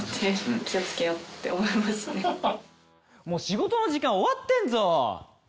もう仕事の時間終わってんぞ！